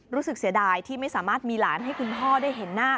เสียดายที่ไม่สามารถมีหลานให้คุณพ่อได้เห็นหน้า